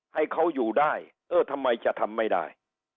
ให้เขาอยู่ได้เออทำไมจะทำไม่ได้